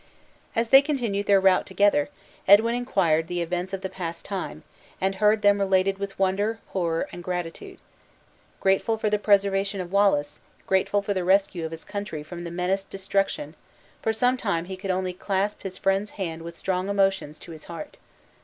As they continued their route together, Edwin inquired the events of the past time, and heard them related with wonder, horror, and gratitude. Grateful for the preservation of Wallace, grateful for the rescue of his country from the menaced destruction, for some time he could only clasp his friend's hand with strong emotion to his heart.